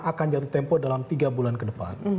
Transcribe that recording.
akan jatuh tempo dalam tiga bulan ke depan